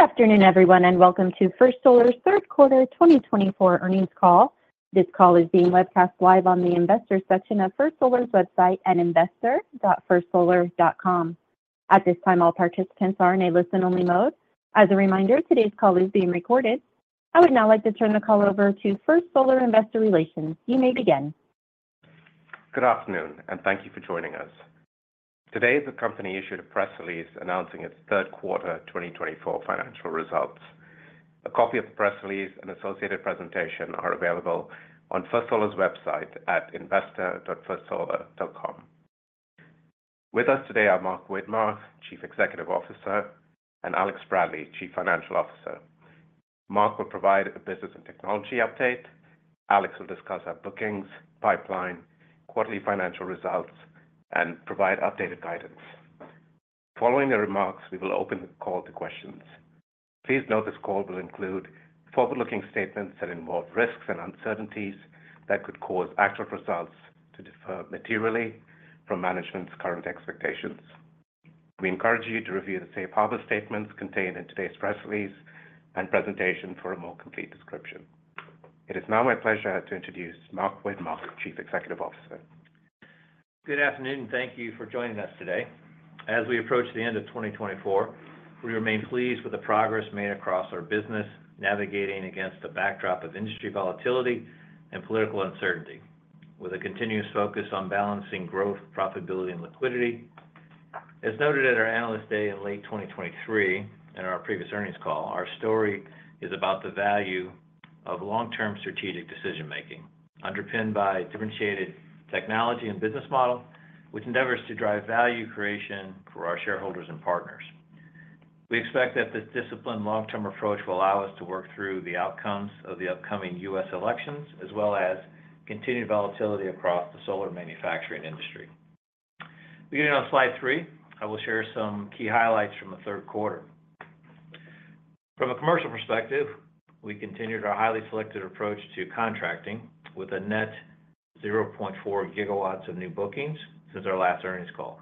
Good afternoon, everyone, and welcome to First Solar's third quarter 2024 earnings call. This call is being webcast live on the investor section of First Solar's website and investor.firstsolar.com. At this time, all participants are in a listen-only mode. As a reminder, today's call is being recorded. I would now like to turn the call over to First Solar Investor Relations. You may begin. Good afternoon, and thank you for joining us. Today, the company issued a press release announcing its third quarter 2024 financial results. A copy of the press release and associated presentation are available on First Solar's website at investor.firstsolar.com. With us today are Mark Widmar, Chief Executive Officer, and Alex Bradley, Chief Financial Officer. Mark will provide a business and technology update. Alex will discuss our bookings, pipeline, quarterly financial results, and provide updated guidance. Following the remarks, we will open the call to questions. Please note this call will include forward-looking statements that involve risks and uncertainties that could cause actual results to differ materially from management's current expectations. We encourage you to review the safe harbor statements contained in today's press release and presentation for a more complete description. It is now my pleasure to introduce Mark Widmar, Chief Executive Officer. Good afternoon, and thank you for joining us today. As we approach the end of 2024, we remain pleased with the progress made across our business, navigating against the backdrop of industry volatility and political uncertainty, with a continuous focus on balancing growth, profitability, and liquidity. As noted at our analyst day in late 2023 and our previous earnings call, our story is about the value of long-term strategic decision-making, underpinned by differentiated technology and business model, which endeavors to drive value creation for our shareholders and partners. We expect that this disciplined long-term approach will allow us to work through the outcomes of the upcoming U.S. elections, as well as continued volatility across the solar manufacturing industry. Beginning on slide three, I will share some key highlights from the third quarter. From a commercial perspective, we continued our highly selective approach to contracting with a net 0.4 GW of new bookings since our last earnings call.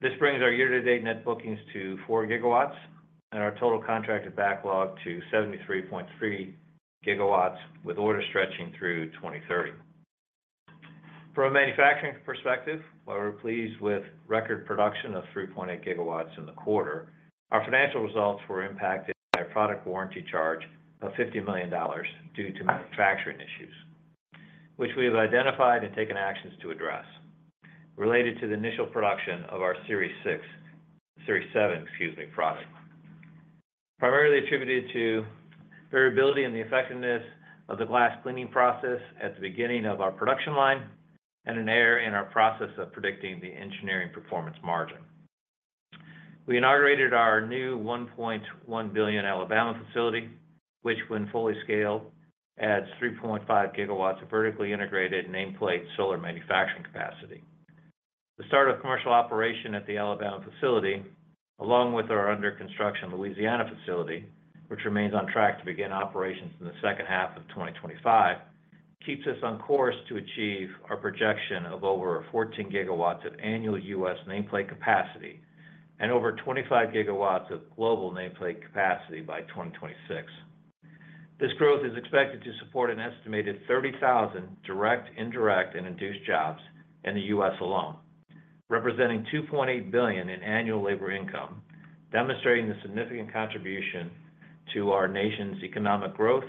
This brings our year-to-date net bookings to 4 GW and our total contracted backlog to 73.3 GW, with orders stretching through 2030. From a manufacturing perspective, while we're pleased with record production of 3.8 GW in the quarter, our financial results were impacted by a product warranty charge of $50 million due to manufacturing issues, which we have identified and taken actions to address related to the initial production of our Series 6, Series 7, excuse me, product, primarily attributed to variability in the effectiveness of the glass cleaning process at the beginning of our production line and an error in our process of predicting the engineering performance margin. We inaugurated our new $1.1 billion Alabama facility, which, when fully scaled, adds 3.5 GW of vertically integrated nameplate solar manufacturing capacity. The start of commercial operation at the Alabama facility, along with our under-construction Louisiana facility, which remains on track to begin operations in the second half of 2025, keeps us on course to achieve our projection of over 14 GW of annual U.S. nameplate capacity and over 25 GW of global nameplate capacity by 2026. This growth is expected to support an estimated 30,000 direct, indirect, and induced jobs in the U.S. alone, representing $2.8 billion in annual labor income, demonstrating the significant contribution to our nation's economic growth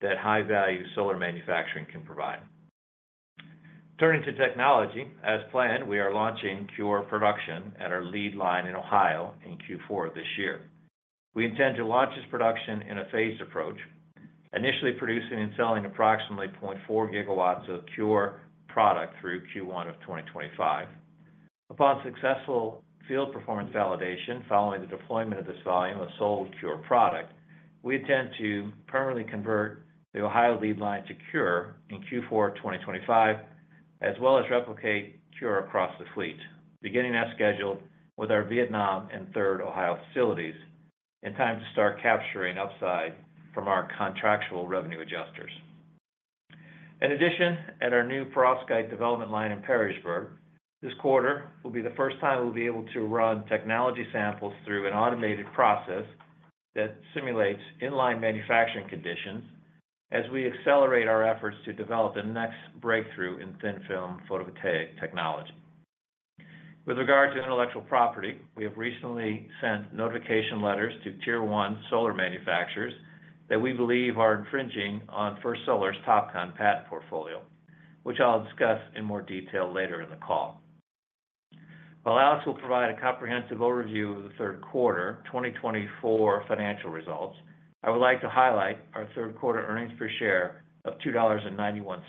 that high-value solar manufacturing can provide. Turning to technology, as planned, we are launching Q4 production at our lead line in Ohio in Q4 of this year. We intend to launch this production in a phased approach, initially producing and selling approximately 0.4 GW of CuRe product through Q1 of 2025. Upon successful field performance validation following the deployment of this volume of sold CuRe product, we intend to permanently convert the Ohio lead line to CuRe in Q4 of 2025, as well as replicate CuRe across the fleet, beginning as scheduled with our Vietnam and third Ohio facilities, in time to start capturing upside from our contractual revenue adjusters. In addition, at our new perovskite development line in Perrysburg, this quarter will be the first time we'll be able to run technology samples through an automated process that simulates inline manufacturing conditions as we accelerate our efforts to develop the next breakthrough in thin film photovoltaic technology. With regard to intellectual property, we have recently sent notification letters to tier one solar manufacturers that we believe are infringing on First Solar's TOPCon patent portfolio, which I'll discuss in more detail later in the call. While Alex will provide a comprehensive overview of the third quarter 2024 financial results, I would like to highlight our third quarter earnings per share of $2.91,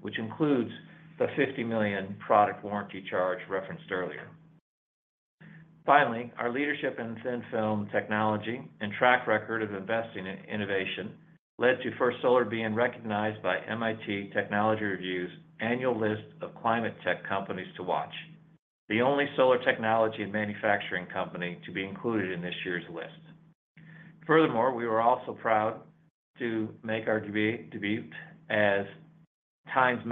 which includes the $50 million product warranty charge referenced earlier. Finally, our leadership in thin film technology and track record of investing in innovation led to First Solar being recognized by MIT Technology Review's annual list of climate tech companies to watch, the only solar technology and manufacturing company to be included in this year's list. Furthermore, we were also proud to make our debut as TIME's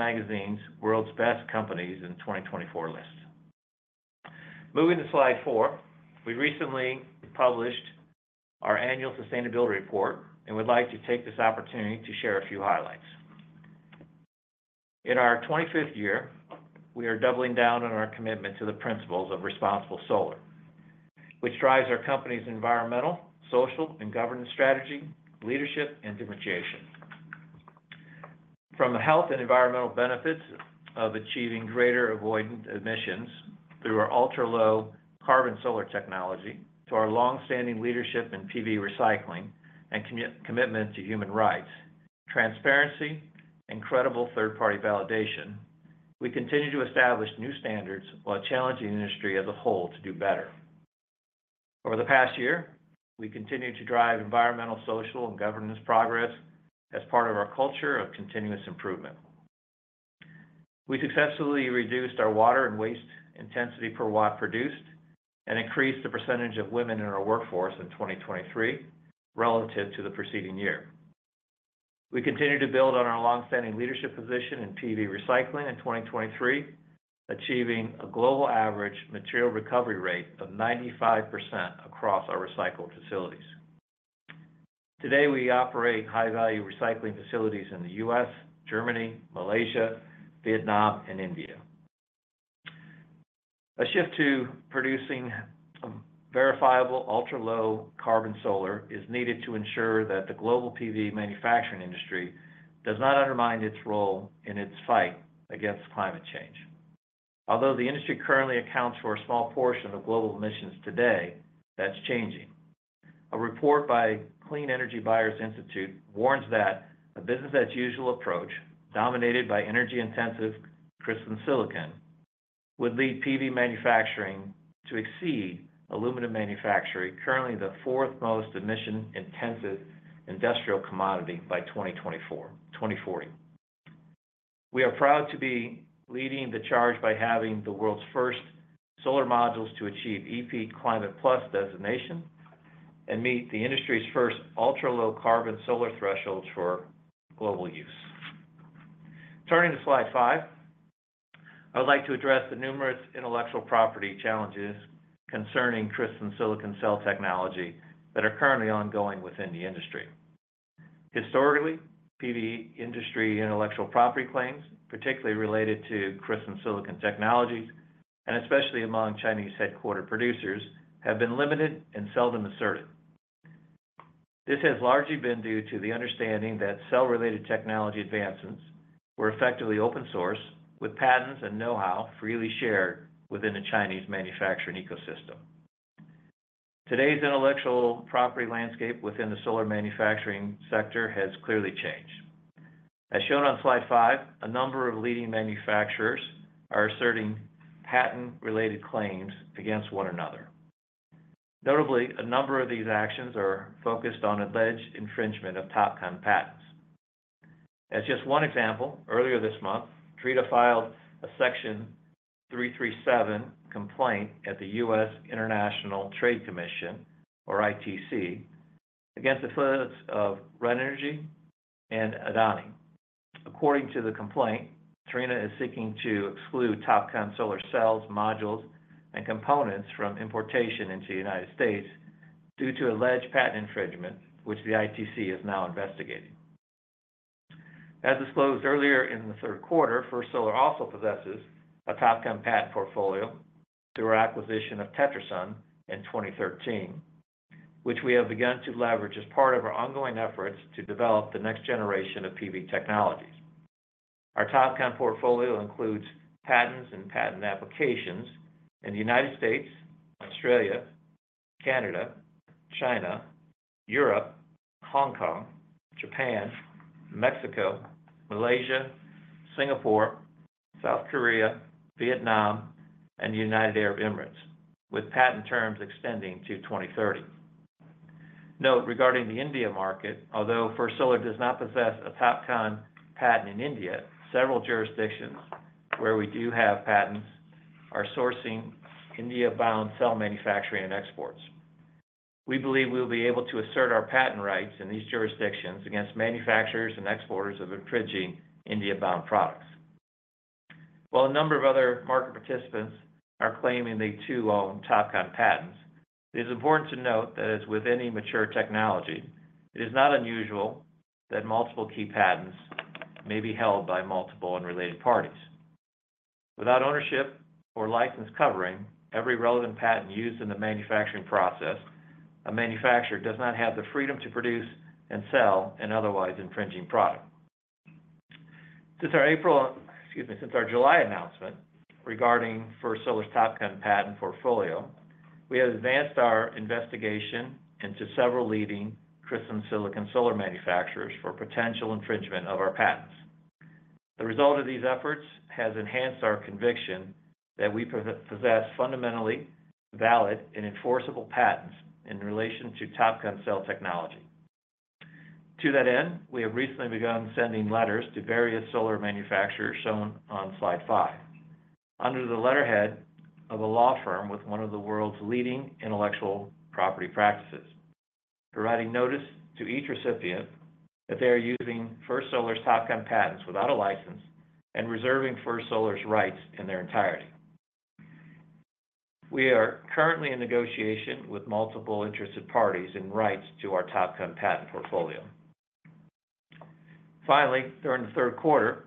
World's Best Companies in 2024 list. Moving to slide four, we recently published our annual sustainability report and would like to take this opportunity to share a few highlights. In our 25th year, we are doubling down on our commitment to the principles of responsible solar, which drives our company's environmental, social, and governance strategy, leadership, and differentiation. From the health and environmental benefits of achieving greater avoidance emissions through our ultra-low carbon solar technology to our long-standing leadership in PV recycling and commitment to human rights, transparency, and credible third-party validation, we continue to establish new standards while challenging the industry as a whole to do better. Over the past year, we continue to drive environmental, social, and governance progress as part of our culture of continuous improvement. We successfully reduced our water and waste intensity per watt produced and increased the percentage of women in our workforce in 2023 relative to the preceding year. We continue to build on our long-standing leadership position in PV recycling in 2023, achieving a global average material recovery rate of 95% across our recycling facilities. Today, we operate high-value recycling facilities in the U.S., Germany, Malaysia, Vietnam, and India. A shift to producing verifiable ultra-low carbon solar is needed to ensure that the global PV manufacturing industry does not undermine its role in its fight against climate change. Although the industry currently accounts for a small portion of global emissions today, that's changing. A report by Clean Energy Buyers Institute warns that a business-as-usual approach dominated by energy-intensive crystalline silicon would lead PV manufacturing to exceed aluminum manufacturing, currently the fourth most emission-intensive industrial commodity by 2040. We are proud to be leading the charge by having the world's first solar modules to achieve EPEAT Climate Plus designation and meet the industry's first ultra-low carbon solar thresholds for global use. Turning to slide five, I would like to address the numerous intellectual property challenges concerning crystalline silicon cell technology that are currently ongoing within the industry. Historically, PV industry intellectual property claims, particularly related to crystalline silicon technologies and especially among Chinese-headquartered producers, have been limited and seldom asserted. This has largely been due to the understanding that cell-related technology advancements were effectively open source, with patents and know-how freely shared within the Chinese manufacturing ecosystem. Today's intellectual property landscape within the solar manufacturing sector has clearly changed. As shown on slide five, a number of leading manufacturers are asserting patent-related claims against one another. Notably, a number of these actions are focused on alleged infringement of TOPCon patents. As just one example, earlier this month, Trina filed a Section 337 complaint at the U.S. International Trade Commission, or ITC, against the affiliates of Runergy and Adani. According to the complaint, Trina is seeking to exclude TOPCon solar cells, modules, and components from importation into the United States due to alleged patent infringement, which the ITC is now investigating. As disclosed earlier in the third quarter, First Solar also possesses a TOPCon patent portfolio through our acquisition of TetraSun in 2013, which we have begun to leverage as part of our ongoing efforts to develop the next generation of PV technologies. Our TOPCon portfolio includes patents and patent applications in the United States, Australia, Canada, China, Europe, Hong Kong, Japan, Mexico, Malaysia, Singapore, South Korea, Vietnam, and United Arab Emirates, with patent terms extending to 2030. Note regarding the India market, although First Solar does not possess a TOPCon patent in India, several jurisdictions where we do have patents are sourcing India-bound cell manufacturing and exports. We believe we will be able to assert our patent rights in these jurisdictions against manufacturers and exporters of infringing India-bound products. While a number of other market participants are claiming they too own TOPCon patents, it is important to note that as with any mature technology, it is not unusual that multiple key patents may be held by multiple unrelated parties. Without ownership or license covering, every relevant patent used in the manufacturing process, a manufacturer does not have the freedom to produce and sell an otherwise infringing product. Since our April, excuse me, since our July announcement regarding First Solar's TOPCon patent portfolio, we have advanced our investigation into several leading crystalline silicon solar manufacturers for potential infringement of our patents. The result of these efforts has enhanced our conviction that we possess fundamentally valid and enforceable patents in relation to TOPCon cell technology. To that end, we have recently begun sending letters to various solar manufacturers shown on slide five, under the letterhead of a law firm with one of the world's leading intellectual property practices, providing notice to each recipient that they are using First Solar's TOPCon patents without a license and reserving First Solar's rights in their entirety. We are currently in negotiation with multiple interested parties in rights to our TOPCon patent portfolio. Finally, during the third quarter,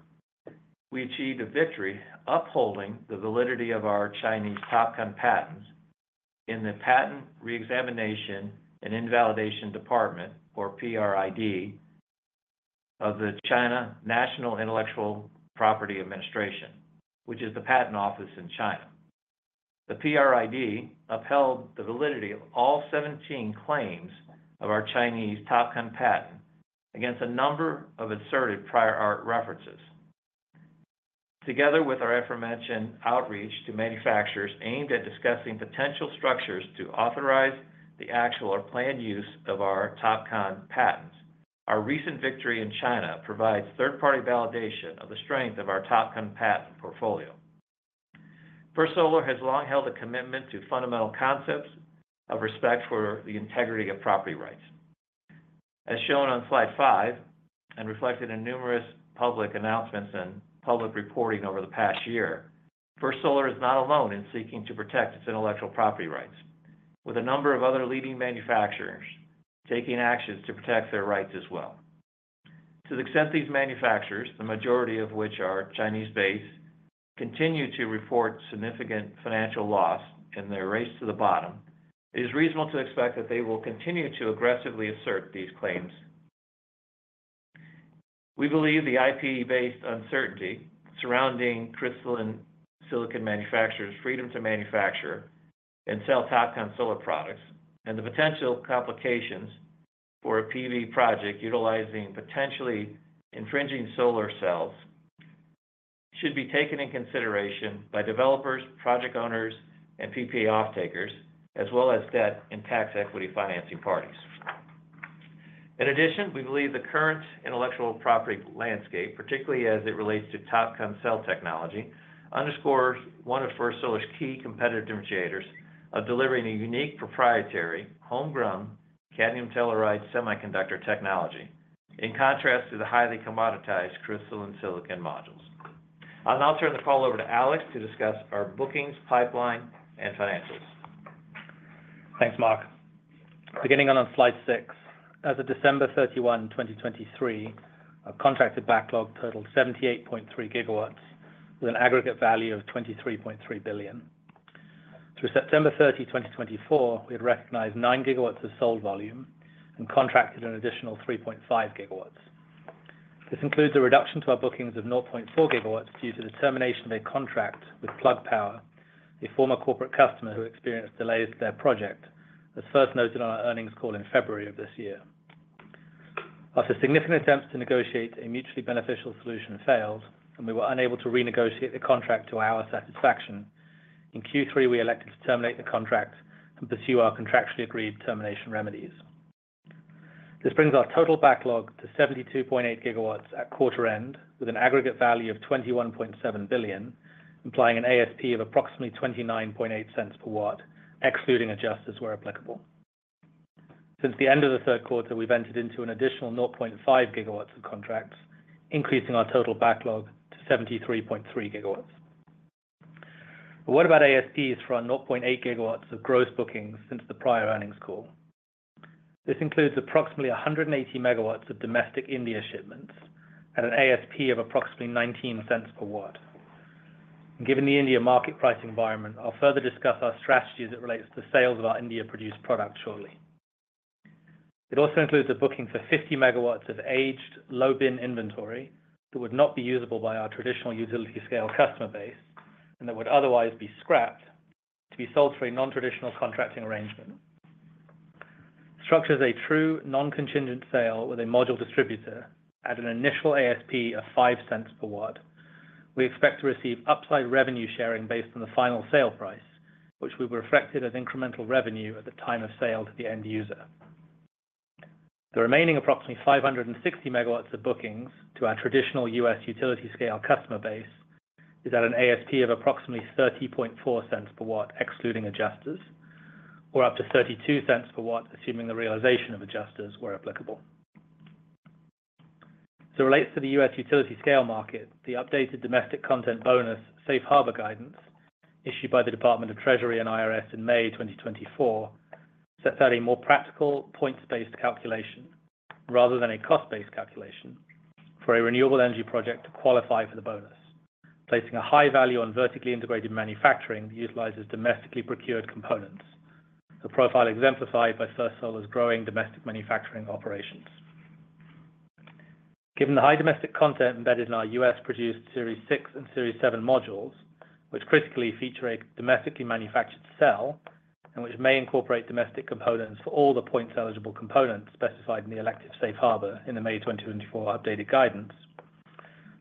we achieved a victory upholding the validity of our Chinese TOPCon patents in the Patent Reexamination and Invalidation Department, or PRID, of the China National Intellectual Property Administration, which is the patent office in China. The PRID upheld the validity of all 17 claims of our Chinese TOPCon patent against a number of asserted prior art references. Together with our aforementioned outreach to manufacturers aimed at discussing potential structures to authorize the actual or planned use of our TOPCon patents, our recent victory in China provides third-party validation of the strength of our TOPCon patent portfolio. First Solar has long held a commitment to fundamental concepts of respect for the integrity of property rights. As shown on slide five and reflected in numerous public announcements and public reporting over the past year, First Solar is not alone in seeking to protect its intellectual property rights, with a number of other leading manufacturers taking actions to protect their rights as well. To the extent these manufacturers, the majority of which are Chinese-based, continue to report significant financial loss in their race to the bottom, it is reasonable to expect that they will continue to aggressively assert these claims. We believe the IP-based uncertainty surrounding crystalline silicon manufacturers' freedom to manufacture and sell TOPCon solar products and the potential complications for a PV project utilizing potentially infringing solar cells should be taken into consideration by developers, project owners, and PPA off-takers, as well as debt and tax equity financing parties. In addition, we believe the current intellectual property landscape, particularly as it relates to TOPCon cell technology, underscores one of First Solar's key competitive differentiators of delivering a unique proprietary homegrown cadmium telluride semiconductor technology, in contrast to the highly commoditized crystalline silicon modules. I'll now turn the call over to Alex to discuss our bookings, pipeline, and financials. Thanks, Mark. Beginning on slide six, as of December 31, 2023, our contracted backlog totaled 78.3 GW with an aggregate value of $23.3 billion. Through September 30, 2024, we had recognized 9 GW of sold volume and contracted an additional 3.5 GW. This includes a reduction to our bookings of 0.4 GW due to the termination of a contract with Plug Power, a former corporate customer who experienced delays to their project, as first noted on our earnings call in February of this year. After significant attempts to negotiate a mutually beneficial solution failed, and we were unable to renegotiate the contract to our satisfaction, in Q3, we elected to terminate the contract and pursue our contractually agreed termination remedies. This brings our total backlog to 72.8 GW at quarter end, with an aggregate value of $21.7 billion, implying an ASP of approximately 29.8 cents per watt, excluding adjusters where applicable. Since the end of the third quarter, we've entered into an additional 0.5 GW of contracts, increasing our total backlog to 73.3 GW. But what about ASPs for our 0.8 GW of gross bookings since the prior earnings call? This includes approximately 180 MW of domestic India shipments at an ASP of approximately 19 cents per watt. Given the India market price environment, I'll further discuss our strategy as it relates to the sales of our India-produced product shortly. It also includes a booking for 50 MW of aged low-bin inventory that would not be usable by our traditional utility-scale customer base and that would otherwise be scrapped to be sold through a non-traditional contracting arrangement. Structured as a true non-contingent sale with a module distributor at an initial ASP of $0.05 per watt, we expect to receive upside revenue sharing based on the final sale price, which will be reflected as incremental revenue at the time of sale to the end user. The remaining approximately 560 MW of bookings to our traditional U.S. utility-scale customer base is at an ASP of approximately $0.304 per watt, excluding adjusters, or up to $0.32 per watt, assuming the realization of adjusters were applicable. As it relates to the U.S. utility-scale market, the updated domestic content bonus safe harbor guidance issued by the U.S. Department of the Treasury and IRS in May 2024 sets out a more practical points-based calculation rather than a cost-based calculation for a renewable energy project to qualify for the bonus, placing a high value on vertically integrated manufacturing that utilizes domestically procured components, a profile exemplified by First Solar's growing domestic manufacturing operations. Given the high domestic content embedded in our U.S.-produced Series 6 and Series 7 modules, which critically feature a domestically manufactured cell and which may incorporate domestic components for all the points-eligible components specified in the elective safe harbor in the May 2024 updated guidance,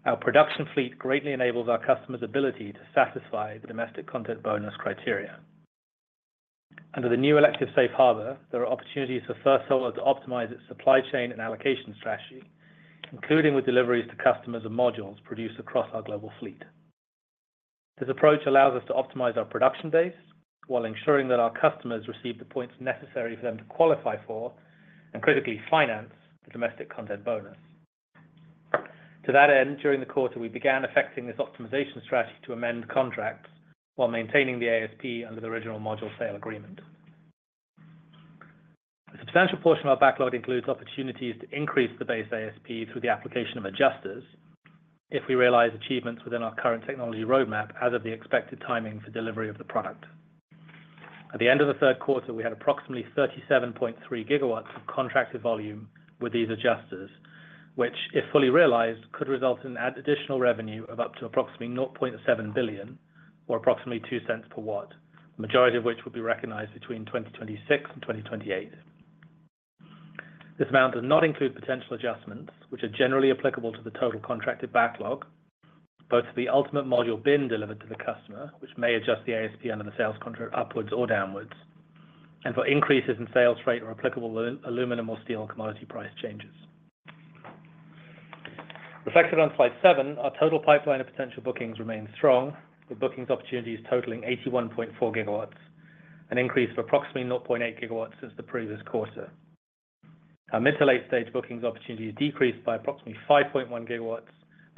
our production fleet greatly enables our customers' ability to satisfy the domestic content bonus criteria. Under the new elective safe harbor, there are opportunities for First Solar to optimize its supply chain and allocation strategy, including with deliveries to customers of modules produced across our global fleet. This approach allows us to optimize our production base while ensuring that our customers receive the points necessary for them to qualify for and critically finance the Domestic Content Bonus. To that end, during the quarter, we began effecting this optimization strategy to amend contracts while maintaining the ASP under the original module sale agreement. A substantial portion of our backlog includes opportunities to increase the base ASP through the application of adjusters if we realize achievements within our current technology roadmap as of the expected timing for delivery of the product. At the end of the third quarter, we had approximately 37.3 GW of contracted volume with these adjusters, which, if fully realized, could result in additional revenue of up to approximately $0.7 billion, or approximately $0.02 per watt, the majority of which would be recognized between 2026 and 2028. This amount does not include potential adjustments, which are generally applicable to the total contracted backlog, both for the ultimate module bin delivered to the customer, which may adjust the ASP under the sales contract upwards or downwards, and for increases in sales rate or applicable aluminum or steel commodity price changes. Reflected on slide seven, our total pipeline of potential bookings remains strong, with bookings opportunities totaling 81.4 GW, an increase of approximately 0.8 GW since the previous quarter. Our mid to late-stage bookings opportunities decreased by approximately 5.1 GW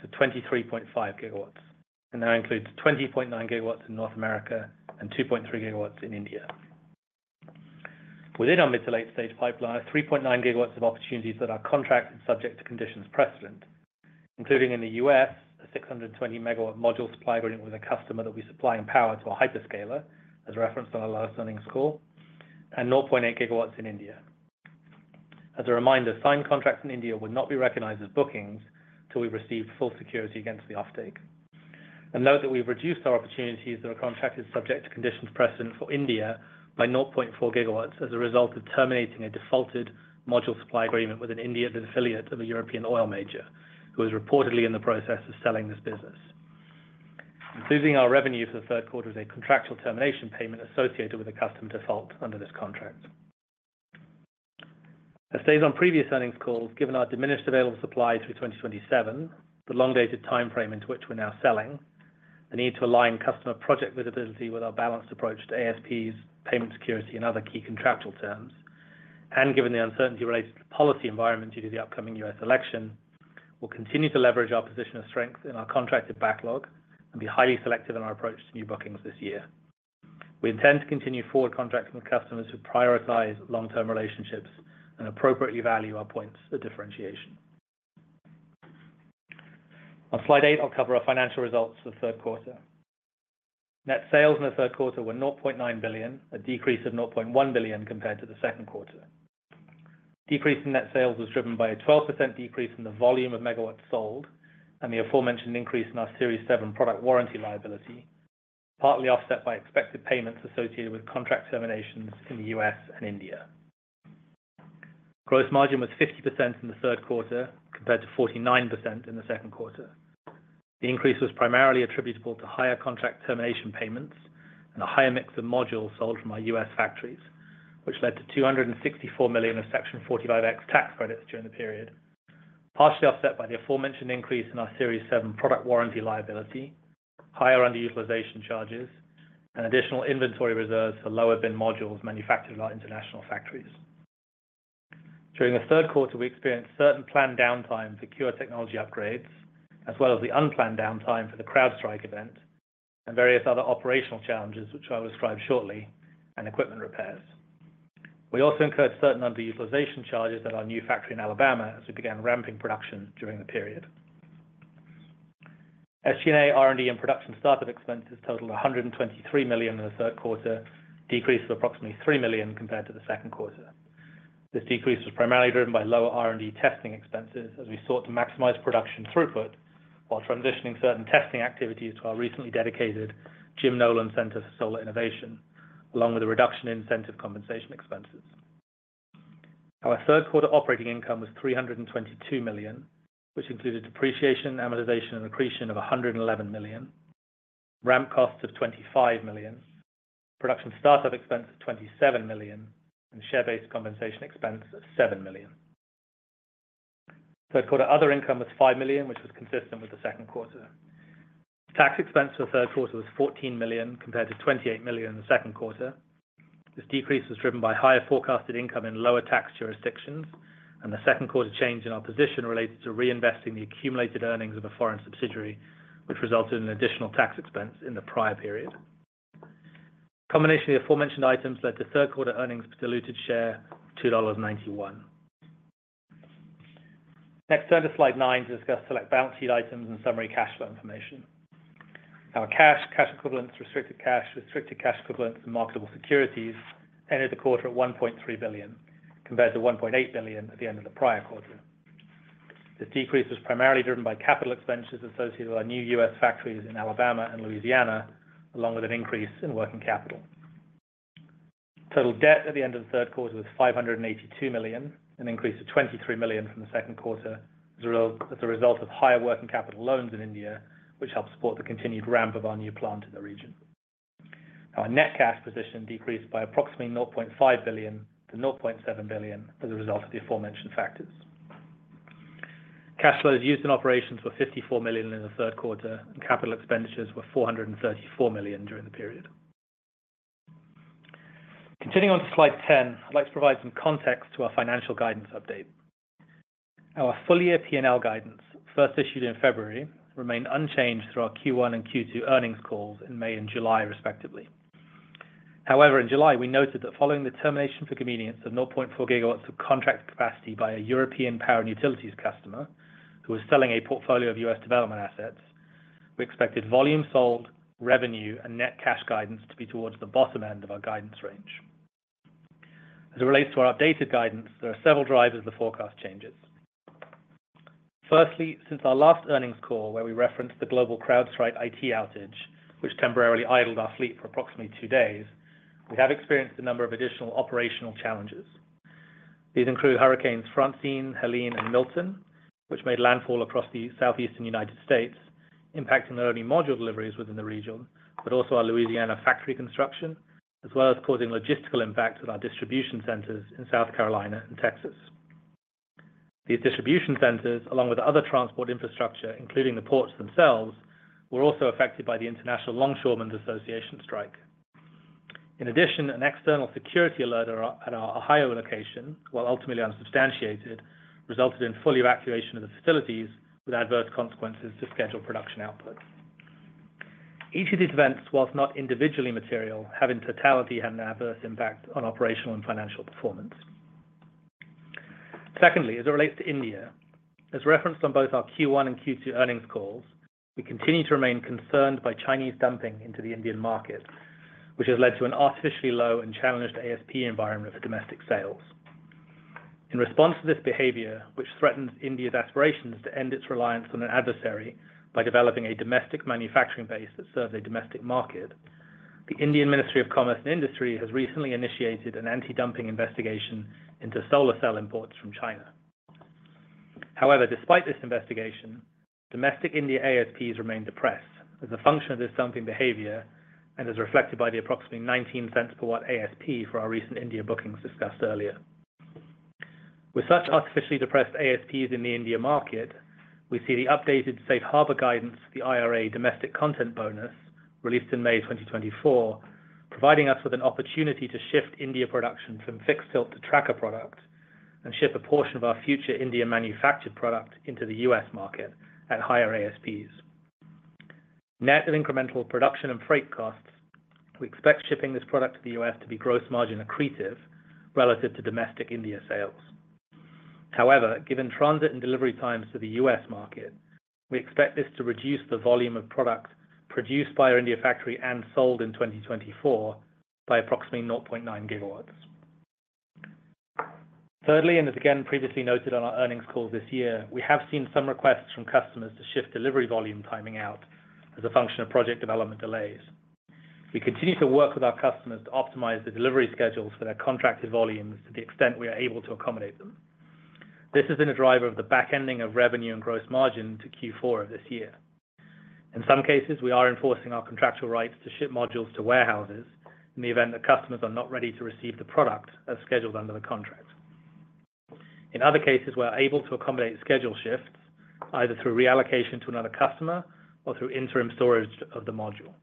to 23.5 GW, and now includes 20.9 GW in North America and 2.3 GW in India. Within our mid to late-stage pipeline, 3.9 GW of opportunities that are contracted subject to conditions precedent, including in the U.S., a 620 MW module supply agreement with a customer that we supply and power to a hyperscaler, as referenced on our last earnings call, and 0.8 GW in India. As a reminder, signed contracts in India would not be recognized as bookings until we've received full security against the offtake. And note that we've reduced our opportunities that are contracted subject to conditions precedent for India by 0.4 GW as a result of terminating a defaulted module supply agreement with an India-based affiliate of a European oil major, who is reportedly in the process of selling this business. in our revenue for the third quarter is a contractual termination payment associated with a customer default under this contract. As stated on previous earnings calls, given our diminished available supply through 2027, the long-dated timeframe into which we're now selling, the need to align customer project visibility with our balanced approach to ASPs, payment security, and other key contractual terms, and given the uncertainty related to the policy environment due to the upcoming U.S. election, we'll continue to leverage our position of strength in our contracted backlog and be highly selective in our approach to new bookings this year. We intend to continue forward contracting with customers who prioritize long-term relationships and appropriately value our points of differentiation. On slide eight, I'll cover our financial results for the third quarter. Net sales in the third quarter were $0.9 billion, a decrease of $0.1 billion compared to the second quarter. Decrease in net sales was driven by a 12% decrease in the volume of megawatts sold and the aforementioned increase in our Series 7 product warranty liability, partly offset by expected payments associated with contract terminations in the U.S. and India. Gross margin was 50% in the third quarter compared to 49% in the second quarter. The increase was primarily attributable to higher contract termination payments and a higher mix of modules sold from our U.S. factories, which led to 264 million of Section 45X tax credits during the period, partially offset by the aforementioned increase in our Series 7 product warranty liability, higher underutilization charges, and additional inventory reserves for lower-bin modules manufactured at our international factories. During the third quarter, we experienced certain planned downtime for CuRe technology upgrades, as well as the unplanned downtime for the CrowdStrike event and various other operational challenges, which I'll describe shortly, and equipment repairs. We also incurred certain underutilization charges at our new factory in Alabama as we began ramping production during the period. SG&A, R&D and production startup expenses totaled $123 million in the third quarter, decreased to approximately $3 million compared to the second quarter. This decrease was primarily driven by lower R&D testing expenses as we sought to maximize production throughput while transitioning certain testing activities to our recently dedicated Jim Nolan Center for Solar Innovation, along with a reduction in incentive compensation expenses. Our third quarter operating income was $322 million, which included depreciation, amortization, and accretion of $111 million, ramp costs of $25 million, production startup expense of $27 million, and share-based compensation expense of $7 million. Third quarter other income was $5 million, which was consistent with the second quarter. Tax expense for the third quarter was $14 million compared to $28 million in the second quarter. This decrease was driven by higher forecasted income in lower tax jurisdictions, and the second quarter change in our position related to reinvesting the accumulated earnings of a foreign subsidiary, which resulted in additional tax expense in the prior period. Combination of the aforementioned items led to third quarter earnings for diluted share $2.91. Next, turn to slide nine to discuss select balance sheet items and summary cash flow information. Our cash, cash equivalents, restricted cash, restricted cash equivalents, and marketable securities ended the quarter at $1.3 billion compared to $1.8 billion at the end of the prior quarter. This decrease was primarily driven by capital expenditures associated with our new U.S. factories in Alabama and Louisiana, along with an increase in working capital. Total debt at the end of the third quarter was $582 million, an increase of $23 million from the second quarter as a result of higher working capital loans in India, which helped support the continued ramp of our new plant in the region. Our net cash position decreased by approximately $0.5 billion to $0.7 billion as a result of the aforementioned factors. Cash flows used in operations were $54 million in the third quarter, and capital expenditures were $434 million during the period. Continuing on to slide 10, I'd like to provide some context to our financial guidance update. Our full-year P&L guidance, first issued in February, remained unchanged through our Q1 and Q2 earnings calls in May and July, respectively. However, in July, we noted that following the termination for convenience of 0.4 GW of contract capacity by a European power and utilities customer who was selling a portfolio of U.S. development assets, we expected volume sold, revenue, and net cash guidance to be towards the bottom end of our guidance range. As it relates to our updated guidance, there are several drivers of the forecast changes. Firstly, since our last earnings call, where we referenced the global CrowdStrike IT outage, which temporarily idled our fleet for approximately two days, we have experienced a number of additional operational challenges. These include Hurricanes Francine, Helene, and Milton, which made landfall across the southeastern United States, impacting not only module deliveries within the region, but also our Louisiana factory construction, as well as causing logistical impacts at our distribution centers in South Carolina and Texas. These distribution centers, along with other transport infrastructure, including the ports themselves, were also affected by the International Longshoremen's Association strike. In addition, an external security alert at our Ohio location, while ultimately unsubstantiated, resulted in full evacuation of the facilities, with adverse consequences to scheduled production output. Each of these events, whilst not individually material, have in totality had an adverse impact on operational and financial performance. Secondly, as it relates to India, as referenced on both our Q1 and Q2 earnings calls, we continue to remain concerned by Chinese dumping into the Indian market, which has led to an artificially low and challenged ASP environment for domestic sales. In response to this behavior, which threatens India's aspirations to end its reliance on an adversary by developing a domestic manufacturing base that serves a domestic market, the Indian Ministry of Commerce and Industry has recently initiated an anti-dumping investigation into solar cell imports from China. However, despite this investigation, domestic India ASPs remain depressed as a function of this dumping behavior and as reflected by the approximately $0.19 per watt ASP for our recent India bookings discussed earlier. With such artificially depressed ASPs in the India market, we see the updated safe harbor guidance, the IRA Domestic Content Bonus, released in May 2024, providing us with an opportunity to shift India production from fixed tilt to tracker product and ship a portion of our future India manufactured product into the U.S. market at higher ASPs. Net incremental production and freight costs, we expect shipping this product to the U.S. to be gross margin accretive relative to domestic India sales. However, given transit and delivery times to the U.S. market, we expect this to reduce the volume of product produced by our India factory and sold in 2024 by approximately 0.9 GW. Thirdly, and as again previously noted on our earnings call this year, we have seen some requests from customers to shift delivery volume timing out as a function of project development delays. We continue to work with our customers to optimize the delivery schedules for their contracted volumes to the extent we are able to accommodate them. This has been a driver of the backending of revenue and gross margin to Q4 of this year. In some cases, we are enforcing our contractual rights to ship modules to warehouses in the event that customers are not ready to receive the product as scheduled under the contract. In other cases, we are able to accommodate schedule shifts, either through reallocation to another customer or through interim storage of the module.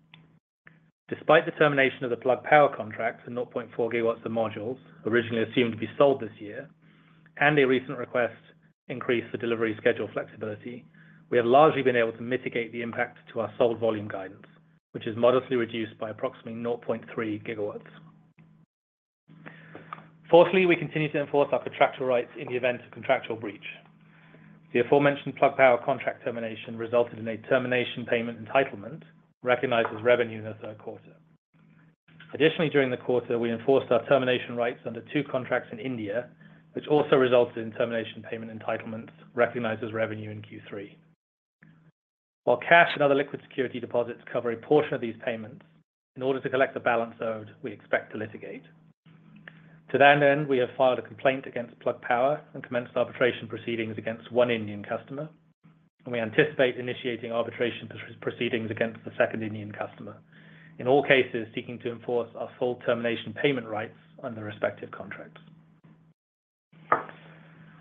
Despite the termination of the Plug Power contracts and 0.4 GW of modules originally assumed to be sold this year, and a recent request increase for delivery schedule flexibility, we have largely been able to mitigate the impact to our sold volume guidance, which is modestly reduced by approximately 0.3 GW. Fourthly, we continue to enforce our contractual rights in the event of contractual breach. The aforementioned Plug Power contract termination resulted in a termination payment entitlement recognized as revenue in the third quarter. Additionally, during the quarter, we enforced our termination rights under two contracts in India, which also resulted in termination payment entitlements recognized as revenue in Q3. While cash and other liquid security deposits cover a portion of these payments, in order to collect the balance owed, we expect to litigate. To that end, we have filed a complaint against Plug Power and commenced arbitration proceedings against one Indian customer, and we anticipate initiating arbitration proceedings against the second Indian customer, in all cases seeking to enforce our full termination payment rights under respective contracts.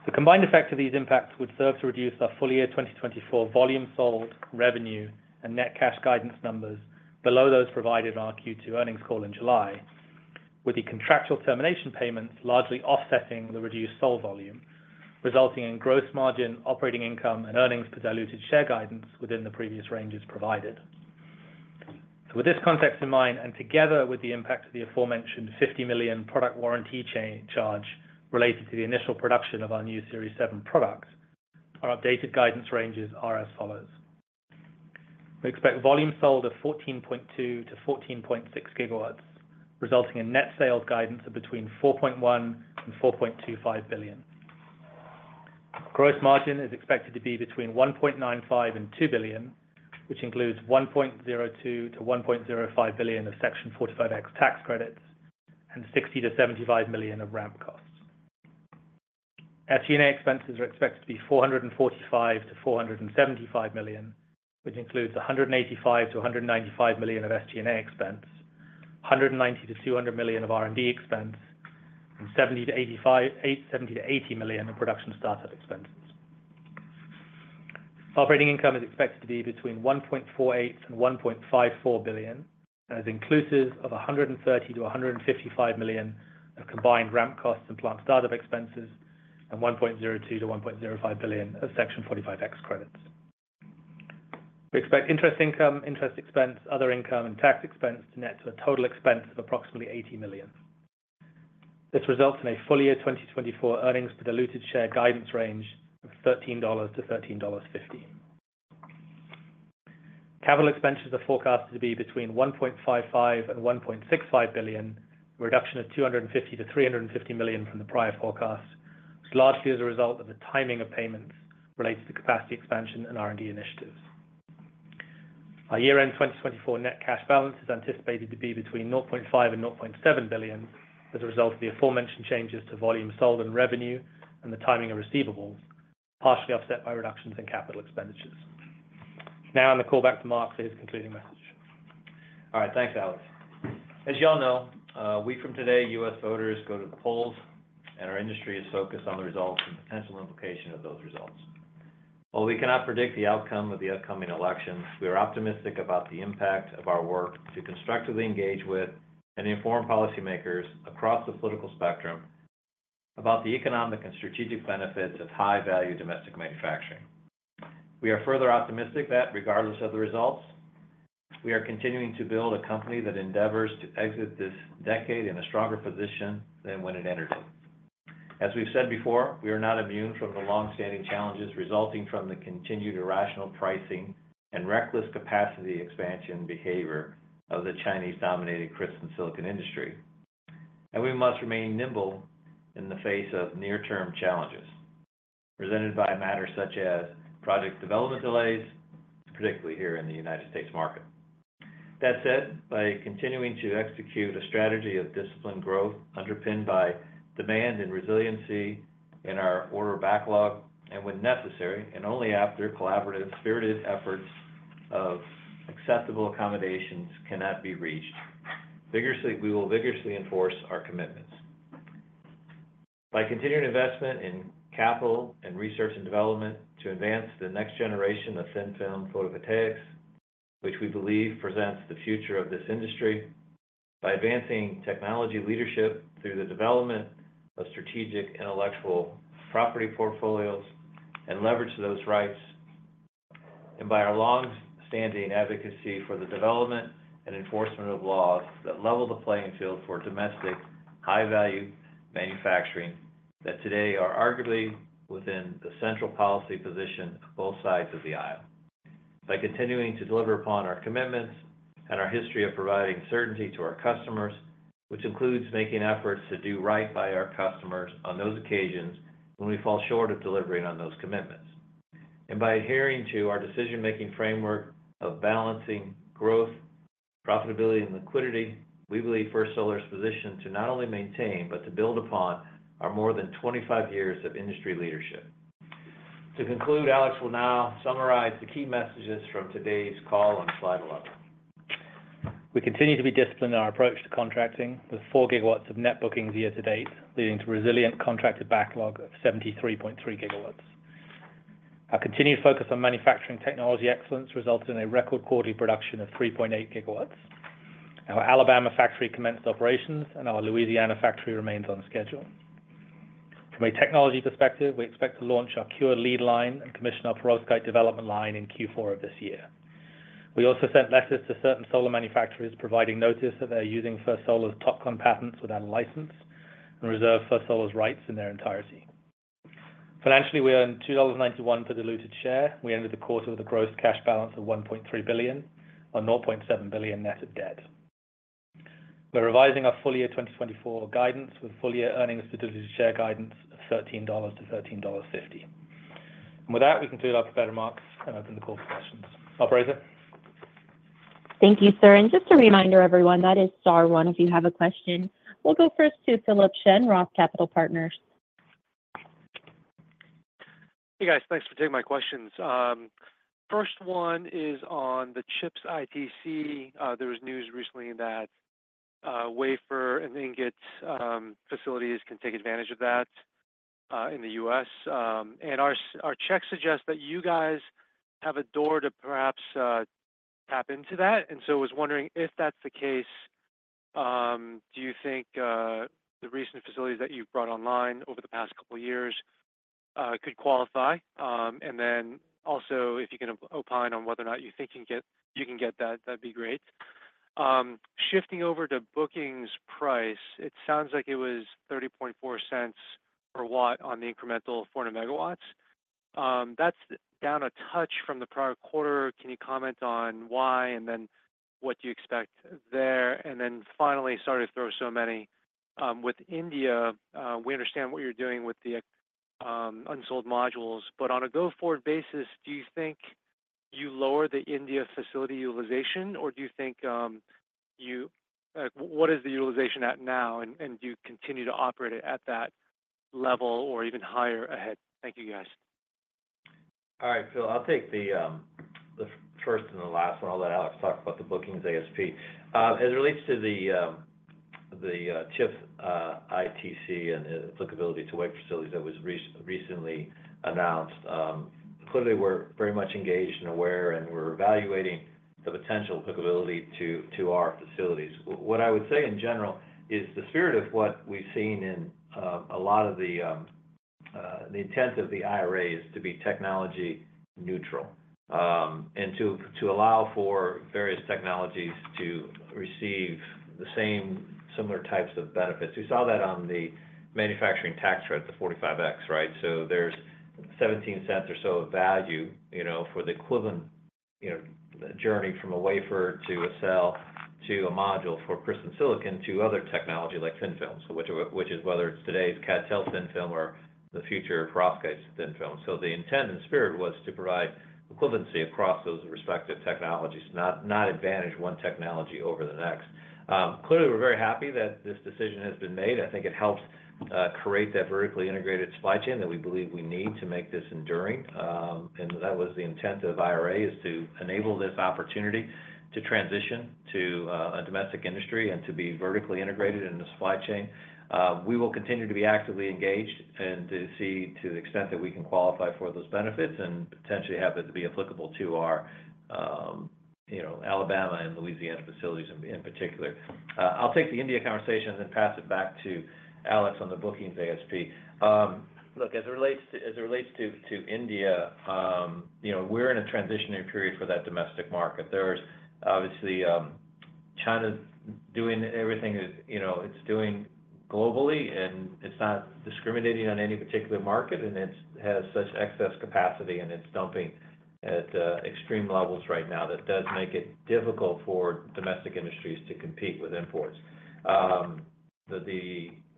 The combined effect of these impacts would serve to reduce our full-year 2024 volume sold, revenue, and net cash guidance numbers below those provided in our Q2 earnings call in July, with the contractual termination payments largely offsetting the reduced sold volume, resulting in gross margin, operating income, and earnings per diluted share guidance within the previous ranges provided. With this context in mind, and together with the impact of the aforementioned $50 million product warranty charge related to the initial production of our new Series 7 product, our updated guidance ranges are as follows. We expect volume sold of 14.2 to 14.6 GW, resulting in net sales guidance of between $4.1 billion and $4.25 billion. Gross margin is expected to be between $1.95 billion and $2 billion, which includes $1.02 billion to $1.05 billion of Section 45X tax credits and $60 million-$75 million of ramp costs. SG&A expenses are expected to be $445 million-$475 million, which includes $185 million-$195 million of SG&A expense, $190 million-$200 million of R&D expense, and $70 million-$80 million of production startup expenses. Operating income is expected to be between $1.48 billion-$1.54 billion, and is inclusive of $130 million-$155 million of combined ramp costs and plant startup expenses and $1.02 billion-$1.05 billion of Section 45X credits. We expect interest income, interest expense, other income, and tax expense to net to a total expense of approximately $80 million. This results in a full year 2024 earnings per diluted share guidance range of $13-$13.50. Capital expenses are forecasted to be between $1.55 billion-$1.65 billion, a reduction of $250-350 million from the prior forecast, largely as a result of the timing of payments related to capacity expansion and R&D initiatives. Our year-end 2024 net cash balance is anticipated to be between $0.5 billion and $0.7 billion as a result of the aforementioned changes to volume sold and revenue and the timing of receivables, partially offset by reductions in capital expenditures. Now, and the call back to Mark for his concluding message. All right, thanks, Alex. As you all know, a week from today, U.S. voters go to the polls, and our industry is focused on the results and potential implications of those results. While we cannot predict the outcome of the upcoming election, we are optimistic about the impact of our work to constructively engage with and inform policymakers across the political spectrum about the economic and strategic benefits of high-value domestic manufacturing. We are further optimistic that, regardless of the results, we are continuing to build a company that endeavors to exit this decade in a stronger position than when it entered it. As we've said before, we are not immune from the long-standing challenges resulting from the continued irrational pricing and reckless capacity expansion behavior of the Chinese-dominated crystalline silicon industry, and we must remain nimble in the face of near-term challenges presented by matters such as project development delays, particularly here in the United States market. That said, by continuing to execute a strategy of disciplined growth underpinned by demand and resiliency in our order backlog, and when necessary, and only after collaborative, spirited efforts of acceptable accommodations cannot be reached, we will vigorously enforce our commitments. By continuing investment in capital and research and development to advance the next generation of thin film photovoltaics, which we believe presents the future of this industry, by advancing technology leadership through the development of strategic intellectual property portfolios and leverage those rights, and by our long-standing advocacy for the development and enforcement of laws that level the playing field for domestic high-value manufacturing that today are arguably within the central policy position of both sides of the aisle. By continuing to deliver upon our commitments and our history of providing certainty to our customers, which includes making efforts to do right by our customers on those occasions when we fall short of delivering on those commitments. By adhering to our decision-making framework of balancing growth, profitability, and liquidity, we believe First Solar's position to not only maintain but to build upon our more than 25 years of industry leadership. To conclude, Alex will now summarize the key messages from today's call on slide 11. We continue to be disciplined in our approach to contracting with 4 GW of net bookings year to date, leading to resilient contracted backlog of 73.3 GW. Our continued focus on manufacturing technology excellence resulted in a record quarterly production of 3.8 GW. Our Alabama factory commenced operations, and our Louisiana factory remains on schedule. From a technology perspective, we expect to launch our CuRe lead line and commission our perovskite development line in Q4 of this year. We also sent letters to certain solar manufacturers, providing notice that they are using First Solar's TOPCon patents without a license and reserve First Solar's rights in their entirety. Financially, we earned $2.91 per diluted share. We ended the quarter with a gross cash balance of $1.3 billion on $0.7 billion net of debt. We're revising our full year 2024 guidance with full year earnings per diluted share guidance of $13-$13.50. And with that, we conclude our prepared remarks and open the call for questions. Operator. Thank you, sir. And just a reminder, everyone, that is Star 1 if you have a question. We'll go first to Philip Shen, Roth Capital Partners. Hey, guys. Thanks for taking my questions. First one is on the CHIPS ITC. There was news recently that wafer and ingot facilities can take advantage of that in the U.S. Our checks suggest that you guys have a door to perhaps tap into that, and so I was wondering if that's the case, do you think the recent facilities that you've brought online over the past couple of years could qualify, and then also, if you can opine on whether or not you think you can get that, that'd be great. Shifting over to bookings price, it sounds like it was $0.304 per watt on the incremental 400 MW. That's down a touch from the prior quarter. Can you comment on why and then what do you expect there? And then finally, sorry to throw so many, with India, we understand what you're doing with the unsold modules, but on a go-forward basis, do you think you lower the India facility utilization, or do you think you—what is the utilization at now, and do you continue to operate at that level or even higher ahead? Thank you, guys. All right, Phil. I'll take the first and the last one. I'll let Alex talk about the bookings ASP. As it relates to the CHIPS ITC and applicability to wafer facilities that was recently announced, clearly we're very much engaged and aware, and we're evaluating the potential applicability to our facilities. What I would say in general is the spirit of what we've seen in a lot of the intent of the IRA is to be technology neutral and to allow for various technologies to receive the same similar types of benefits. We saw that on the manufacturing tax credit, the 45X, right? So there's $0.17 or so of value for the equivalent journey from a wafer to a cell to a module for crystalline silicon to other technology like thin films, which is whether it's today's CdTe thin film or the future of perovskite thin film. So the intent and spirit was to provide equivalency across those respective technologies, not advantage one technology over the next. Clearly, we're very happy that this decision has been made. I think it helps create that vertically integrated supply chain that we believe we need to make this enduring. And that was the intent of IRA is to enable this opportunity to transition to a domestic industry and to be vertically integrated in the supply chain. We will continue to be actively engaged and to see to the extent that we can qualify for those benefits and potentially have it be applicable to our Alabama and Louisiana facilities in particular. I'll take the India conversation and then pass it back to Alex on the bookings ASP. Look, as it relates to India, we're in a transitionary period for that domestic market. There's obviously China doing everything it's doing globally, and it's not discriminating on any particular market, and it has such excess capacity, and it's dumping at extreme levels right now that does make it difficult for domestic industries to compete with imports.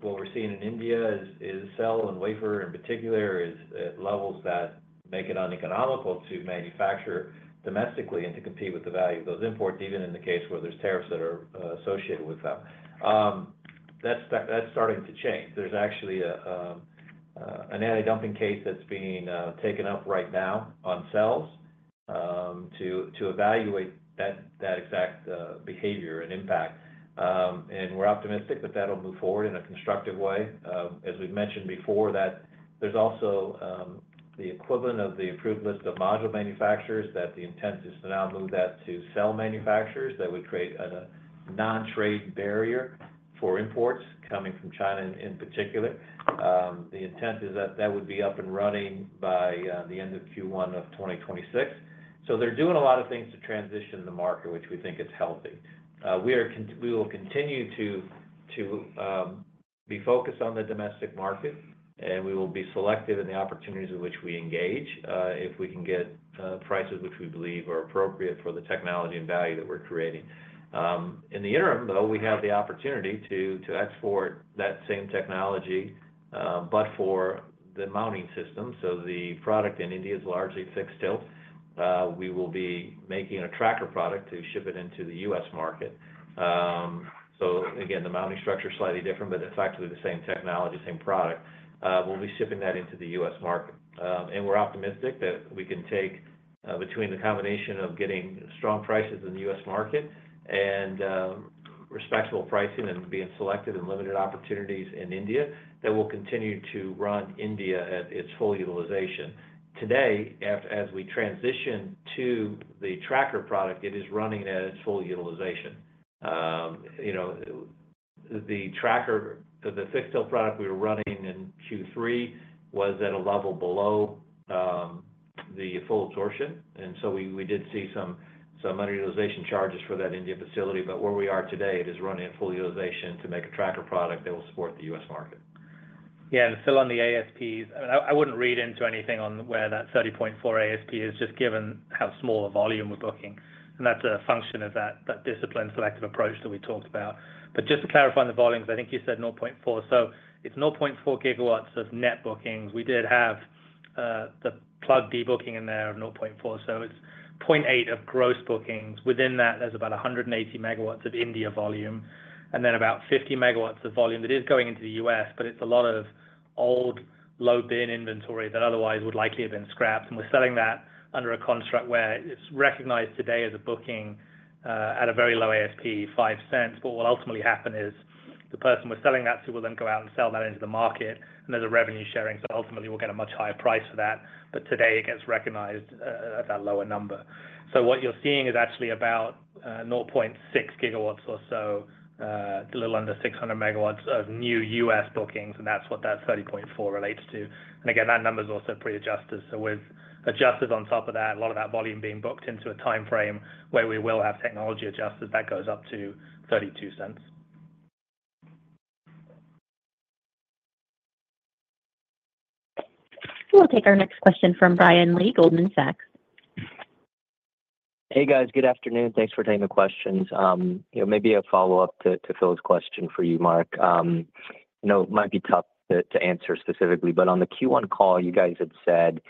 What we're seeing in India is cell and wafer in particular is at levels that make it uneconomical to manufacture domestically and to compete with the value of those imports, even in the case where there's tariffs that are associated with them. That's starting to change. There's actually an anti-dumping case that's being taken up right now on cells to evaluate that exact behavior and impact. And we're optimistic that that'll move forward in a constructive way. As we've mentioned before, there's also the equivalent of the approved list of module manufacturers that the intent is to now move that to cell manufacturers that would create a non-trade barrier for imports coming from China in particular. The intent is that that would be up and running by the end of Q1 of 2026. So they're doing a lot of things to transition the market, which we think is healthy. We will continue to be focused on the domestic market, and we will be selective in the opportunities in which we engage if we can get prices which we believe are appropriate for the technology and value that we're creating. In the interim, though, we have the opportunity to export that same technology, but for the mounting system. So the product in India is largely fixed tilt. We will be making a tracker product to ship it into the U.S. market. So again, the mounting structure is slightly different, but effectively the same technology, same product. We'll be shipping that into the U.S. market. And we're optimistic that we can take between the combination of getting strong prices in the U.S. market and respectful pricing and being selected in limited opportunities in India that will continue to run India at its full utilization. Today, as we transition to the tracker product, it is running at its full utilization. The tracker, the fixed tilt product we were running in Q3 was at a level below the full absorption. And so we did see some underutilization charges for that India facility, but where we are today, it is running at full utilization to make a tracker product that will support the U.S. market. Yeah, and still on the ASPs, I wouldn't read into anything on where that 30.4 ASP is, just given how small the volume we're booking. And that's a function of that disciplined selective approach that we talked about. But just to clarify on the volumes, I think you said 0.4. So it's 0.4 GW of net bookings. We did have the Plug debooking in there of 0.4. So it's 0.8 of gross bookings. Within that, there's about 180 MW of India volume and then about 50 MW of volume that is going into the U.S., but it's a lot of old low-bin inventory that otherwise would likely have been scrapped. And we're selling that under a construct where it's recognized today as a booking at a very low ASP, $0.05. But what will ultimately happen is the person we're selling that to will then go out and sell that into the market, and there's a revenue sharing. So ultimately, we'll get a much higher price for that. But today, it gets recognized at that lower number. So what you're seeing is actually about 0.6 GW or so, a little under 600 MW of new U.S. bookings, and that's what that 30.4 relates to. And again, that number is also pre-adjusted. So with adjusted on top of that, a lot of that volume being booked into a timeframe where we will have technology adjusted, that goes up to $0.32. We'll take our next question from Brian Lee, Goldman Sachs. Hey, guys. Good afternoon. Thanks for taking the questions. Maybe a follow-up to Phil's question for you, Mark. It might be tough to answer specifically, but on the Q1 call, you guys had said,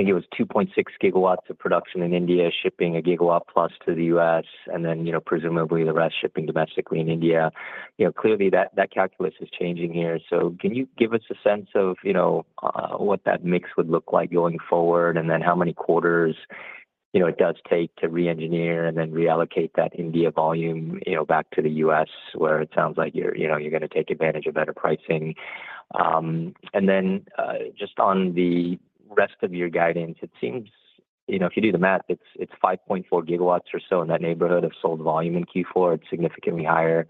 I think it was 2.6 GW of production in India, shipping a gigawatt plus to the U.S., and then presumably the rest shipping domestically in India. Clearly, that calculus is changing here. So can you give us a sense of what that mix would look like going forward, and then how many quarters it does take to re-engineer and then reallocate that India volume back to the U.S., where it sounds like you're going to take advantage of better pricing? And then just on the rest of your guidance, it seems if you do the math, it's 5.4 GW or so in that neighborhood of sold volume in Q4. It's significantly higher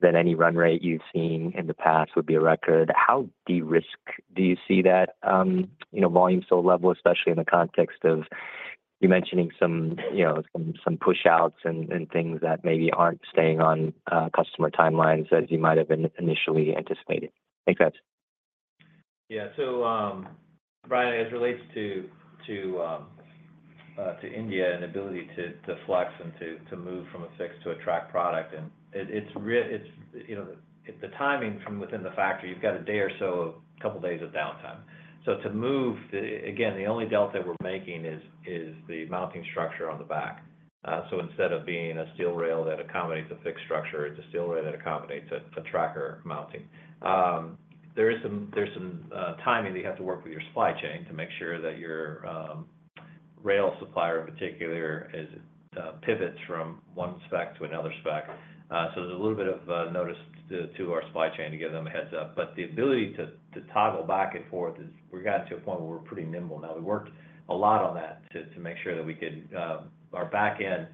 than any run rate you've seen in the past would be a record. How de-risked do you see that volume sold level, especially in the context of you mentioning some push-outs and things that maybe aren't staying on customer timelines as you might have initially anticipated? Thanks, guys. Yeah. So Brian, as it relates to India and ability to flex and to move from a fixed to a tracker product, and it's the timing from within the factory. You've got a day or so, a couple of days of downtime. So to move, again, the only delta we're making is the mounting structure on the back. So instead of being a steel rail that accommodates a fixed structure, it's a steel rail that accommodates a tracker mounting. There's some timing that you have to work with your supply chain to make sure that your rail supplier in particular pivots from one spec to another spec. So there's a little bit of notice to our supply chain to give them a heads-up. But the ability to toggle back and forth is we got to a point where we're pretty nimble now. We worked a lot on that to make sure that we could our back-end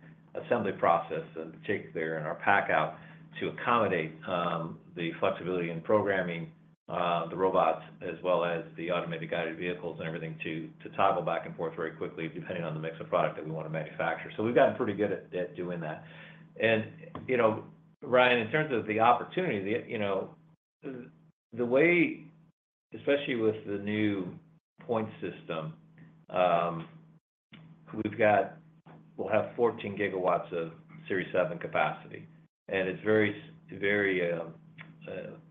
assembly process, in particular, and our pack-out to accommodate the flexibility in programming the robots as well as the automated guided vehicles and everything to toggle back and forth very quickly depending on the mix of product that we want to manufacture, so we've gotten pretty good at doing that. And Brian, in terms of the opportunity, the way, especially with the new point system, we'll have 14 GW of Series 7 capacity, and it's very